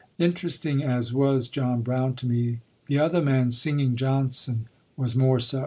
Interesting as was John Brown to me, the other man, "Singing Johnson," was more so.